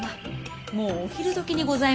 もうお昼どきにございますよ。